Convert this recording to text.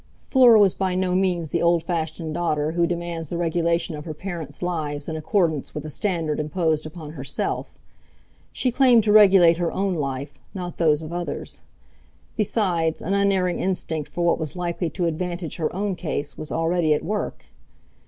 Fleur was by no means the old fashioned daughter who demands the regulation of her parents' lives in accordance with the standard imposed upon herself. She claimed to regulate her own life, not those of others; besides, an unerring instinct for what was likely to advantage her own case was already at work.